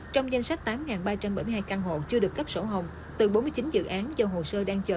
trong danh sách tám ba trăm bảy mươi hai căn hộ chưa được cấp sổ hồng từ bốn mươi chín dự án do hồ sơ đang chờ